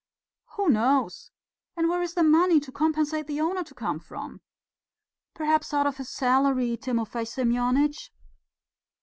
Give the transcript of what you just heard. "Who knows? And where is the money to compensate the owner to come from?" "Perhaps out of his salary, Timofey Semyonitch?"